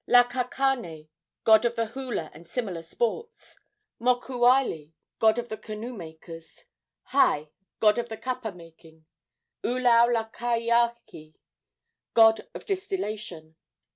Lakakane, god of the hula and similar sports. Mokualii, god of the canoe makers. Hai, god of kapa making. Ulaulakeahi, god of distillation.